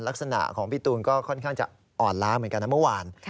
ลักษณะของพี่ตูนก็ค่อนข้างจะอ่อนล้าเหมือนกันนะเมื่อวาน